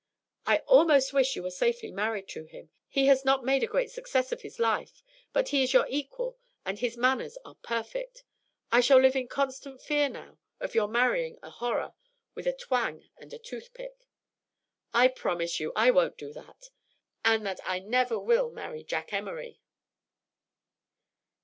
"I almost wish you were safely married to him. He has not made a great success of his life, but he is your equal and his manners are perfect. I shall live in constant fear now of your marrying a horror with a twang and a toothpick." "I promise you I won't do that and that I never will marry Jack Emory."